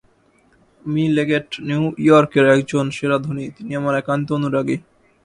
Me Leggett New ইয়র্কের একজন সেরা ধনী, তিনি আমার একান্ত অনুরাগী।